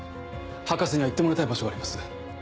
博士には行ってもらいたい場所があります。